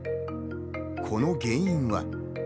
この原因は。